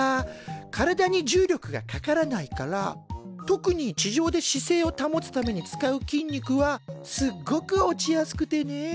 体に重力がかからないから特に地上で姿勢を保つために使う筋肉はすっごく落ちやすくてね。